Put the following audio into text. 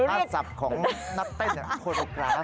อาจสับของนับเต้นโครโรแกรฟ